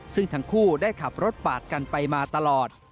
ซึ่งทั้งคู่ได้ขับรถปาดกันไปมาตลอด